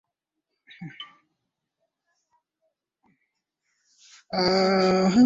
Mkoa una visiwa vikubwa katika Ziwa Victoria